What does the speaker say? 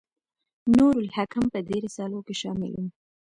نور الحکم په دې رسالو کې شامل و.